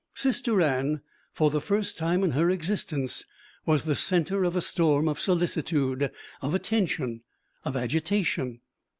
Sister Anne, for the first time in her existence, was the centre of a storm of solicitude, of attention, of agitation.